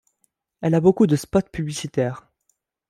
Elle a beaucoup de spots publicitaires.